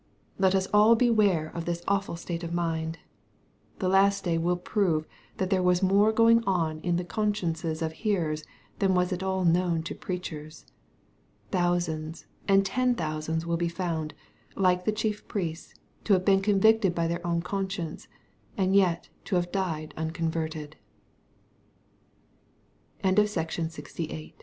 Let us all beware of this awful state of mind. The last day will prove that there was more going on in the consciences of hearers than was at all known to preachers. Thousands and tefi thousands will be found, like the chief priests, to have been convicted by their own conscienc